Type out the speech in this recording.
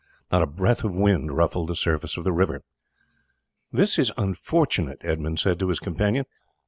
Not a breath of wind ruffled the surface of the river. "This is unfortunate," Edmund said to his companion.